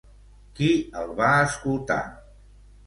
Qui el va escoltar?